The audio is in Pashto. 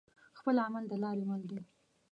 خپل عمل دلاری مل دی